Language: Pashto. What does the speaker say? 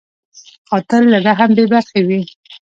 قاتل له رحم بېبرخې وي